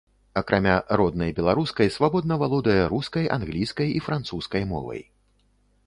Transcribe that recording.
Акрамя роднай беларускай, свабодна валодае рускай, англійскай і французскай мовай.